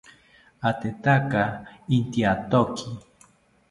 Atetaka intyatoki